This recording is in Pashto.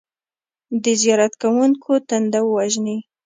د زیارت کوونکو تنده ووژني.